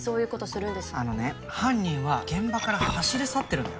あのね犯人は現場から走り去ってるんだよ？